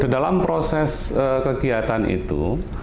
dalam proses kegiatan itu